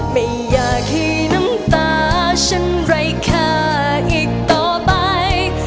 ไม่อยากให้น้ำตาฉันไร้ค่าอีกต่อไป